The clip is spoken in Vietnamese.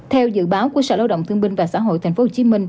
theo dự báo của sở lao động thương binh và xã hội tp hcm